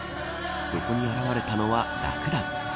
そこに現れたのはラクダ。